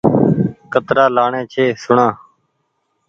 ڪترآ لآڻي ڇي سوڻآ